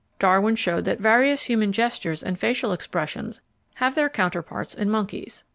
Darwin showed that various human gestures and facial expressions have their counterparts in monkeys.